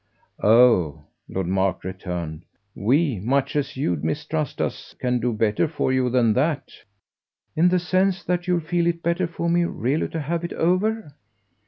"Oh," Lord Mark returned, "we, much as you mistrust us, can do better for you than that." "In the sense that you'll feel it better for me really to have it over?"